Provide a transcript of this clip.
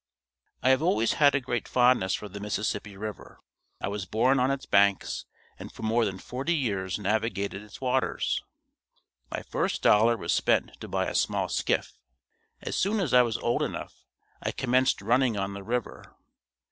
I have always had a great fondness for the Mississippi River. I was born on its banks and for more than forty years navigated its water. My first dollar was spent to buy a small skiff. As soon as I was old enough, I commenced running on the river.